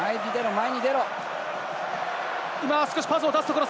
前に出ろ！